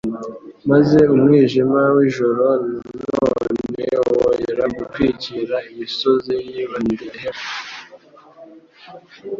maze umwijima w'ijoro na none wongera gutwikira imisozi y'i Beterehemu